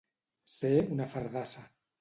Ser una fardassa.